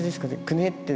くねって。